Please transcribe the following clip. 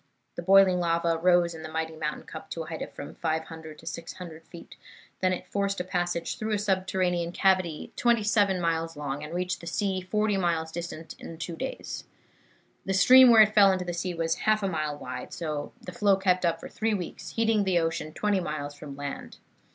The boiling lava rose in the mighty mountain cup to a height of from 500 to 600 feet. Then it forced a passage through a subterranean cavity twenty seven miles long, and reached the sea forty miles distant, in two days. The stream where it fell into the sea was half a mile wide, and the flow kept up for three weeks, heating the ocean twenty miles from land.